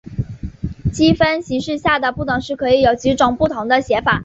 积分形式下的不等式可以有几种不同的写法。